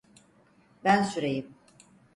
Ben süreyim.